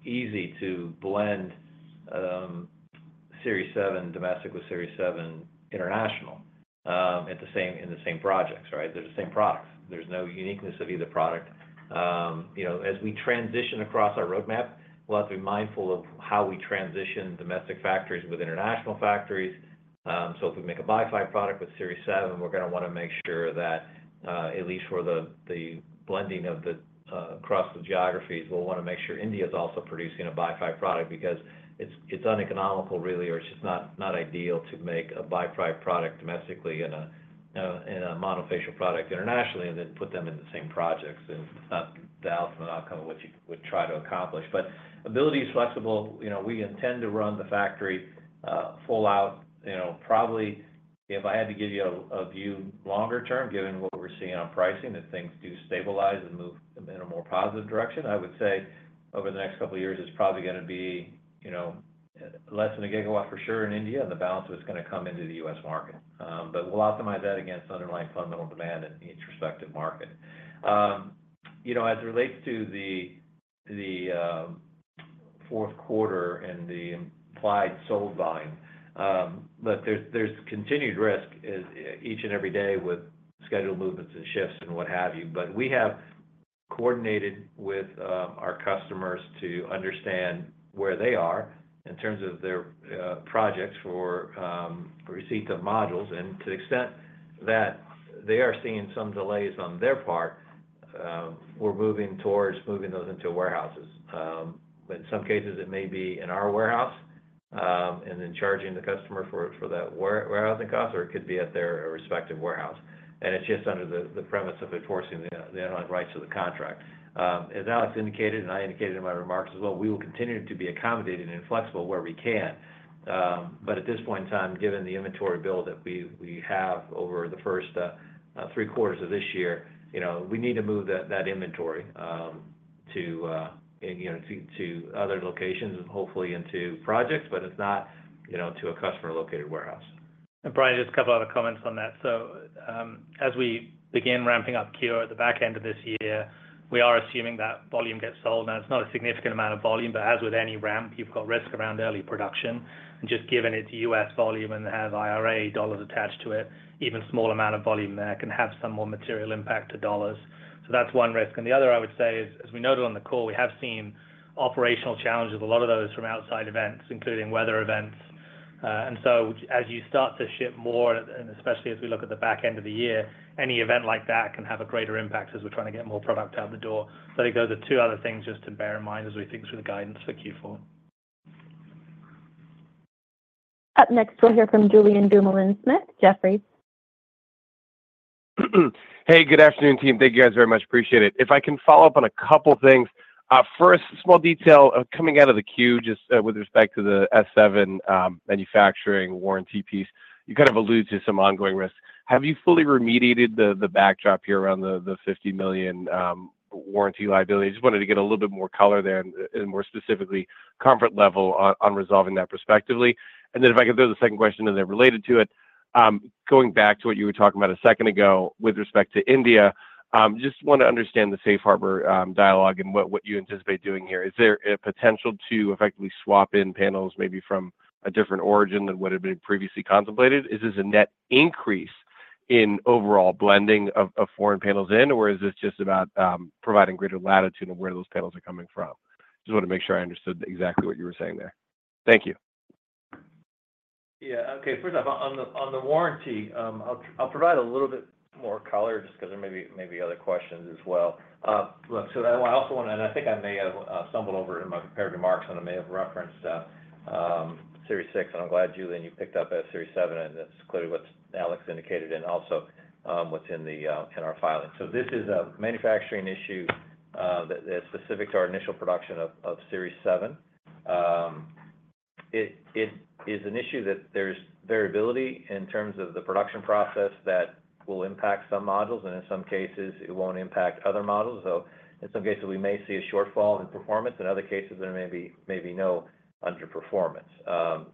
easy to blend Series 7 domestic with Series 7 international in the same projects, right? They're the same products. There's no uniqueness of either product. As we transition across our roadmap, we'll have to be mindful of how we transition domestic factories with international factories. If we make a bifacial product with Series 7, we're going to want to make sure that at least for the blending across the geographies, we'll want to make sure India is also producing a bifacial product because it's uneconomical, really, or it's just not ideal to make a bifacial product domestically and a monofacial product internationally and then put them in the same projects. And that's the outcome of what you would try to accomplish. But ability is flexible. We intend to run the factory full out. Probably, if I had to give you a view longer term, given what we're seeing on pricing, that things do stabilize and move in a more positive direction, I would say over the next couple of years, it's probably going to be less than a gigawatt for sure in India, and the balance of it's going to come into the U.S. market. But we'll optimize that against underlying fundamental demand in the U.S. market. As it relates to the fourth quarter and the implied sold volume, there's continued risk each and every day with scheduled movements and shifts and what have you. But we have coordinated with our customers to understand where they are in terms of their projects for receipt of modules. And to the extent that they are seeing some delays on their part, we're moving towards moving those into warehouses. But in some cases, it may be in our warehouse and then charging the customer for that warehousing cost, or it could be at their respective warehouse. And it's just under the premise of enforcing the underlying rights of the contract. As Alex indicated, and I indicated in my remarks as well, we will continue to be accommodating and flexible where we can. But at this point in time, given the inventory build that we have over the first three quarters of this year, we need to move that inventory to other locations and hopefully into projects, but it's not to a customer-located warehouse. And Brian, just a couple other comments on that. So as we begin ramping up Q4 at the back end of this year, we are assuming that volume gets sold. Now, it's not a significant amount of volume, but as with any ramp, you've got risk around early production. And just given it's U.S. volume and has IRA dollars attached to it, even a small amount of volume there can have some more material impact to dollars. So that's one risk. And the other, I would say, is as we noted on the call, we have seen operational challenges, a lot of those from outside events, including weather events. And so as you start to ship more, and especially as we look at the back end of the year, any event like that can have a greater impact as we're trying to get more product out the door. So I think those are two other things just to bear in mind as we think through the guidance for Q4. Up next, we'll hear from Julien Dumoulin-Smith. Jefferies. Hey, good afternoon, team. Thank you guys very much. Appreciate it. If I can follow up on a couple of things. First, small detail coming out of the Q just with respect to the S7 manufacturing warranty piece. You kind of alluded to some ongoing risks. Have you fully remediated the backdrop here around the $50 million warranty liability? I just wanted to get a little bit more color there and more specifically comfort level on resolving that prospectively. And then if I could throw the second question in there related to it, going back to what you were talking about a second ago with respect to India, just want to understand the safe harbor dialogue and what you anticipate doing here. Is there a potential to effectively swap in panels maybe from a different origin than what had been previously contemplated? Is this a net increase in overall blending of foreign panels in, or is this just about providing greater latitude on where those panels are coming from? Just wanted to make sure I understood exactly what you were saying there. Thank you. Yeah. Okay. First off, on the warranty, I'll provide a little bit more color just because there may be other questions as well. So I also want to, and I think I may have stumbled over in my prepared remarks, and I may have referenced Series 6. And I'm glad, Julian, you picked up at Series 7, and that's clearly what Alex indicated and also what's in our filing. So this is a manufacturing issue that is specific to our initial production of Series 7. It is an issue that there's variability in terms of the production process that will impact some modules, and in some cases, it won't impact other modules. So in some cases, we may see a shortfall in performance. In other cases, there may be no underperformance.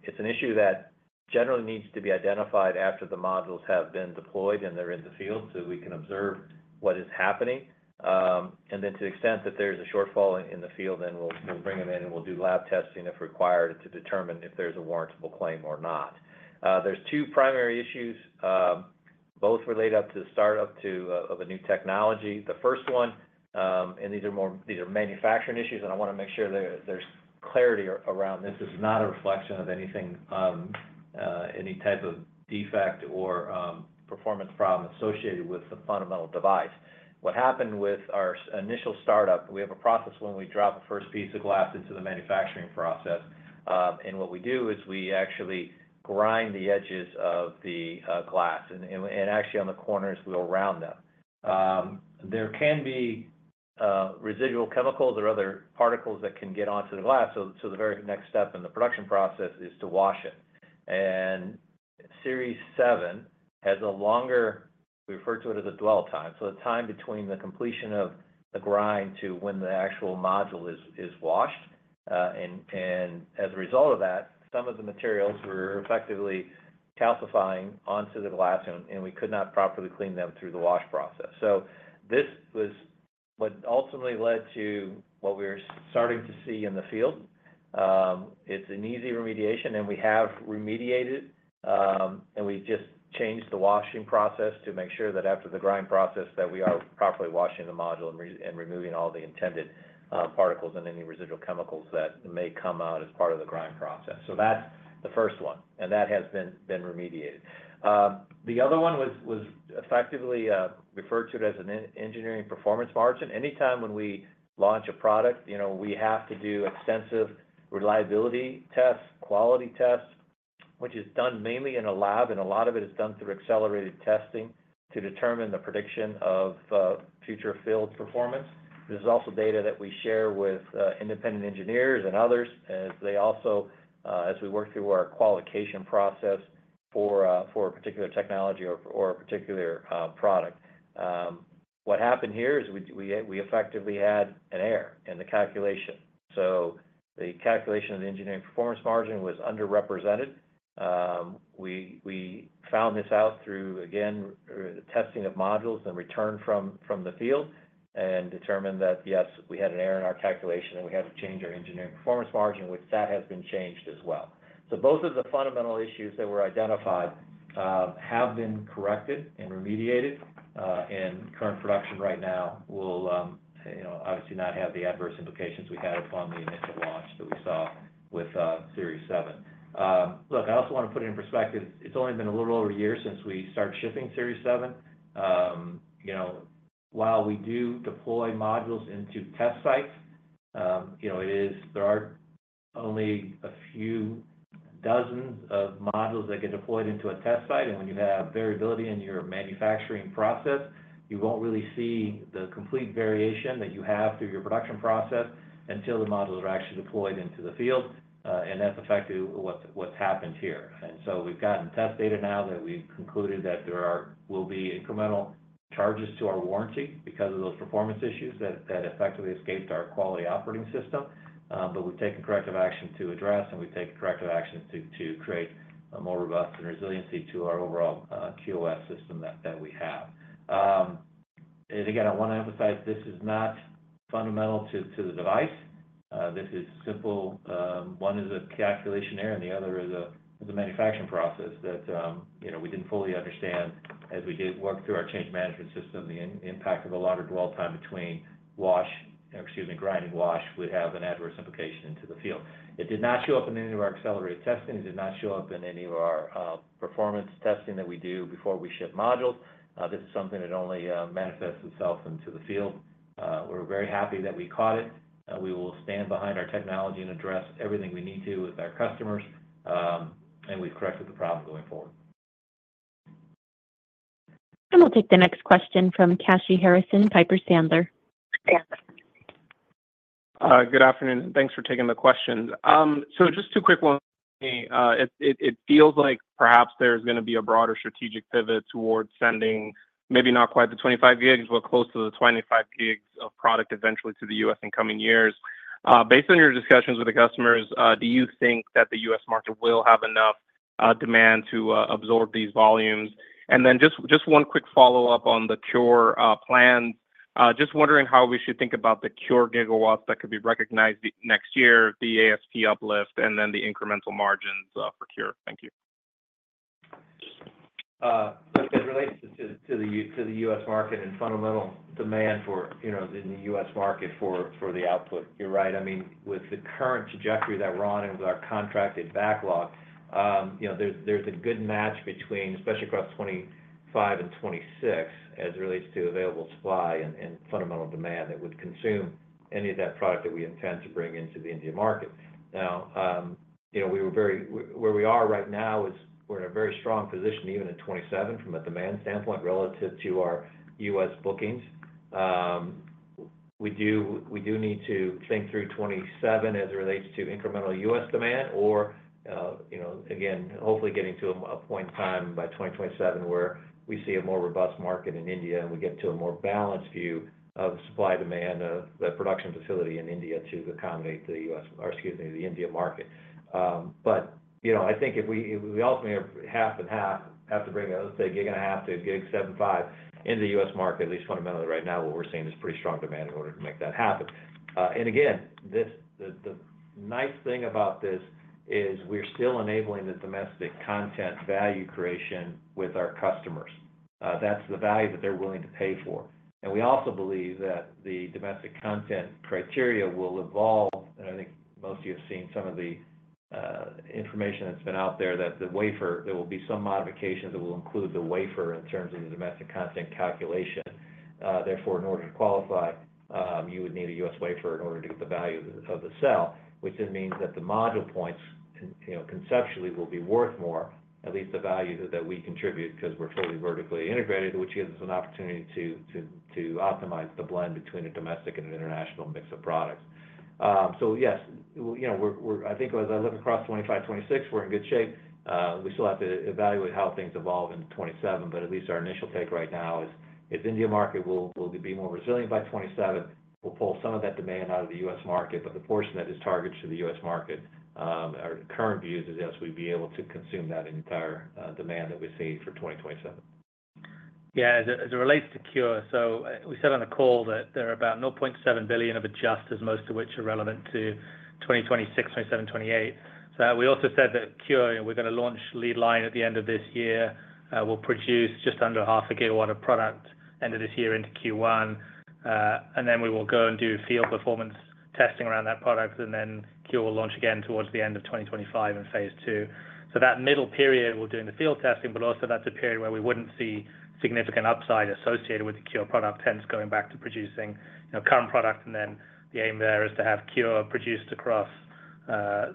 It's an issue that generally needs to be identified after the modules have been deployed and they're in the field so we can observe what is happening. And then to the extent that there's a shortfall in the field, then we'll bring them in and we'll do lab testing if required to determine if there's a warrantable claim or not. There's two primary issues. Both relate up to the startup of a new technology. The first one, and these are manufacturing issues, and I want to make sure there's clarity around this is not a reflection of anything, any type of defect or performance problem associated with the fundamental device. What happened with our initial startup, we have a process when we drop a first piece of glass into the manufacturing process. And what we do is we actually grind the edges of the glass. And actually, on the corners, we'll round them. There can be residual chemicals or other particles that can get onto the glass. So the very next step in the production process is to wash it. And Series 7 has a longer, we refer to it as a dwell time. So the time between the completion of the grind to when the actual module is washed. And as a result of that, some of the materials were effectively calcifying onto the glass, and we could not properly clean them through the wash process. So this was what ultimately led to what we're starting to see in the field. It's an easy remediation, and we have remediated, and we just changed the washing process to make sure that after the grind process, that we are properly washing the module and removing all the intended particles and any residual chemicals that may come out as part of the grind process. So that's the first one. And that has been remediated. The other one was effectively referred to as an engineering performance margin. Anytime when we launch a product, we have to do extensive reliability tests, quality tests, which is done mainly in a lab, and a lot of it is done through accelerated testing to determine the prediction of future field performance. There's also data that we share with independent engineers and others as we work through our qualification process for a particular technology or a particular product. What happened here is we effectively had an error in the calculation. So the calculation of the engineering performance margin was underrepresented. We found this out through, again, testing of modules and return from the field and determined that, yes, we had an error in our calculation, and we had to change our engineering performance margin, which that has been changed as well. Both of the fundamental issues that were identified have been corrected and remediated, and current production right now will obviously not have the adverse implications we had upon the initial launch that we saw with Series 7. Look, I also want to put it in perspective. It's only been a little over a year since we started shipping Series 7. While we do deploy modules into test sites, there are only a few dozens of modules that get deployed into a test site. And when you have variability in your manufacturing process, you won't really see the complete variation that you have through your production process until the modules are actually deployed into the field. And that's effectively what's happened here. So we've gotten test data now that we've concluded that there will be incremental charges to our warranty because of those performance issues that effectively escaped our quality operating system. But we've taken corrective action to address, and we've taken corrective action to create more robust and resiliency to our overall QOS system that we have. And again, I want to emphasize this is not fundamental to the device. This is simple. One is a calculation error, and the other is a manufacturing process that we didn't fully understand as we did work through our change management system, the impact of a longer dwell time between wash or, excuse me, grind and wash would have an adverse implication into the field. It did not show up in any of our accelerated testing. It did not show up in any of our performance testing that we do before we ship modules. This is something that only manifests itself into the field. We're very happy that we caught it. We will stand behind our technology and address everything we need to with our customers. And we've corrected the problem going forward. And we'll take the next question from Kashy Harrison, Piper Sandler. Good afternoon. Thanks for taking the question. So just two quick ones. It feels like perhaps there's going to be a broader strategic pivot towards sending maybe not quite the 25 gigs, but close to the 25 gigs of product eventually to the U.S. in coming years. Based on your discussions with the customers, do you think that the U.S. market will have enough demand to absorb these volumes? And then just one quick follow-up on the CuRe plans. Just wondering how we should think about the CuRe gigawatts that could be recognized next year, the ASP uplift, and then the incremental margins for CuRe. Thank you. As it relates to the U.S. market and fundamental demand in the U.S. market for the output, you're right. I mean, with the current trajectory that we're on and with our contracted backlog, there's a good match between, especially across 2025 and 2026, as it relates to available supply and fundamental demand that would consume any of that product that we intend to bring into the Indian market. Now, where we are right now is we're in a very strong position, even in 2027, from a demand standpoint relative to our U.S. bookings. We do need to think through 2027 as it relates to incremental U.S. demand or, again, hopefully getting to a point in time by 2027 where we see a more robust market in India and we get to a more balanced view of supply and demand of the production facility in India to accommodate the U.S., or excuse me, the India market, but I think if we ultimately have half and half, have to bring, let's say, gig and a half to 7.5 gig into the U.S. market, at least fundamentally right now, what we're seeing is pretty strong demand in order to make that happen, and again, the nice thing about this is we're still enabling the domestic content value creation with our customers. That's the value that they're willing to pay for, and we also believe that the domestic content criteria will evolve. I think most of you have seen some of the information that's been out there that the wafer, there will be some modifications that will include the wafer in terms of the domestic content calculation. Therefore, in order to qualify, you would need a U.S. wafer in order to get the value of the cell, which then means that the module points conceptually will be worth more, at least the value that we contribute because we're fully vertically integrated, which gives us an opportunity to optimize the blend between a domestic and an international mix of products. So yes, I think as I look across 2025, 2026, we're in good shape. We still have to evaluate how things evolve into 2027, but at least our initial take right now is if India market will be more resilient by 2027, we'll pull some of that demand out of the U.S. market, but the portion that is targeted to the U.S. market, our current view is we'd be able to consume that entire demand that we see for 2027. Yeah. As it relates to CuRe, so we said on the call that there are about $0.7 billion of adjustments, most of which are relevant to 2026, 2027, 2028. So we also said that CuRe, we're going to launch lead line at the end of this year. We'll produce just under 0.5 GW of product end of this year into Q1. And then we will go and do field performance testing around that product, and then CuRe will launch again towards the end of 2025 in phase two. So that middle period, we'll do the field testing, but also that's a period where we wouldn't see significant upside associated with the CuRe product and then going back to producing current product. And then the aim there is to have CuRe produced across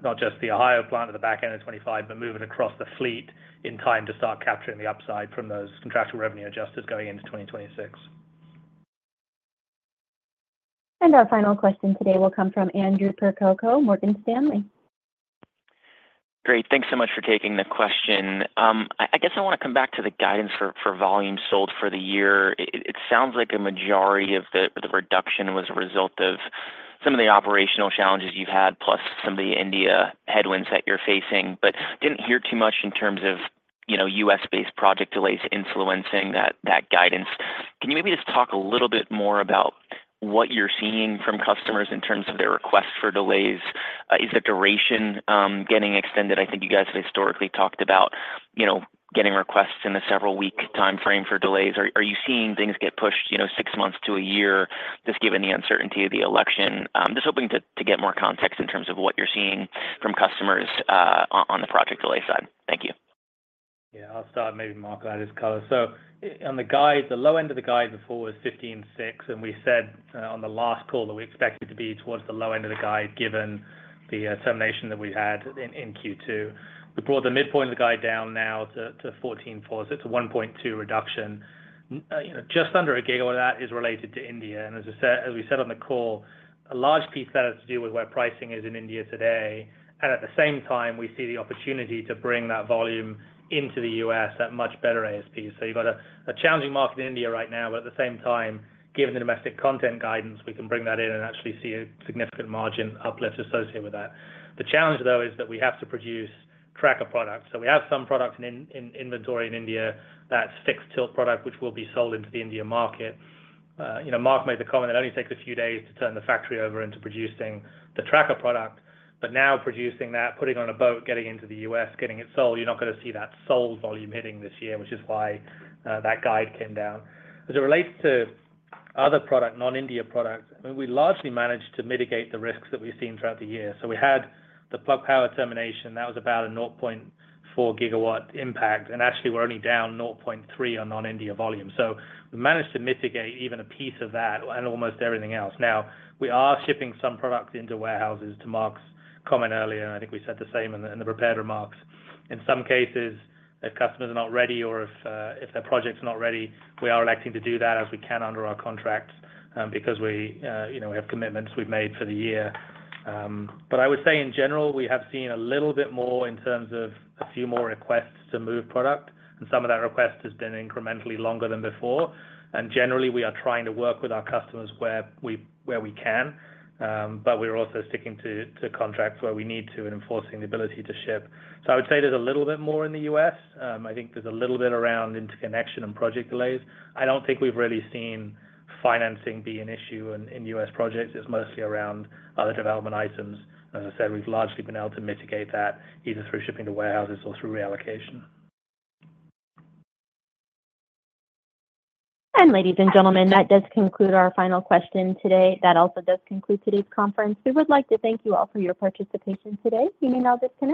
not just the Ohio plant at the back end of 2025, but moving across the fleet in time to start capturing the upside from those contractual revenue adjusters going into 2026. And our final question today will come from Andrew Percoco, Morgan Stanley. Great. Thanks so much for taking the question. I guess I want to come back to the guidance for volume sold for the year. It sounds like a majority of the reduction was a result of some of the operational challenges you've had, plus some of the India headwinds that you're facing. But didn't hear too much in terms of U.S.-based project delays influencing that guidance. Can you maybe just talk a little bit more about what you're seeing from customers in terms of their requests for delays? Is the duration getting extended? I think you guys have historically talked about getting requests in a several-week timeframe for delays. Are you seeing things get pushed six months to a year just given the uncertainty of the election? Just hoping to get more context in terms of what you're seeing from customers on the project delay side. Thank you. Yeah. I'll start maybe, Mark. I'll just cover. So on the guide, the low end of the guide before was 15.6, and we said on the last call that we expected to be towards the low end of the guide given the termination that we had in Q2. We brought the midpoint of the guide down now to 14.4, so it's a 1.2 reduction. Just under a gigawatt of that is related to India. As we said on the call, a large piece of that has to do with where pricing is in India today. At the same time, we see the opportunity to bring that volume into the U.S. at much better ASP. You've got a challenging market in India right now, but at the same time, given the domestic content guidance, we can bring that in and actually see a significant margin uplift associated with that. The challenge, though, is that we have to produce tracker products. We have some product in inventory in India that's fixed tilt product, which will be sold into the Indian market. Mark made the comment that it only takes a few days to turn the factory over into producing the tracker product. But now producing that, putting it on a boat, getting into the U.S., getting it sold, you're not going to see that sold volume hitting this year, which is why that guide came down. As it relates to other product, non-India products, I mean, we largely managed to mitigate the risks that we've seen throughout the year. So we had the Plug Power termination. That was about a 0.4 GW impact. And actually, we're only down 0.3 on non-India volume. So we managed to mitigate even a piece of that and almost everything else. Now, we are shipping some products into warehouses to Mark's comment earlier, and I think we said the same in the prepared remarks. In some cases, if customers are not ready or if their project's not ready, we are electing to do that as we can under our contracts because we have commitments we've made for the year. But I would say, in general, we have seen a little bit more in terms of a few more requests to move product. And some of that request has been incrementally longer than before. And generally, we are trying to work with our customers where we can, but we're also sticking to contracts where we need to and enforcing the ability to ship. So I would say there's a little bit more in the U.S. I think there's a little bit around interconnection and project delays. I don't think we've really seen financing be an issue in U.S. projects. It's mostly around other development items. As I said, we've largely been able to mitigate that either through shipping to warehouses or through reallocation. And ladies and gentlemen, that does conclude our final question today. That also does conclude today's conference. We would like to thank you all for your participation today. You may now disconnect.